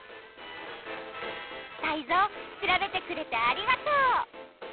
タイゾウしらべてくれてありがとう。